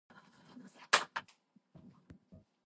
"Notiomastodon" showed a wider range of dietary adaptations.